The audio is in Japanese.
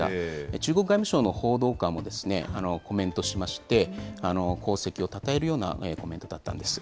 中国外務省の報道官もコメントしまして、功績をたたえるようなコメントだったんです。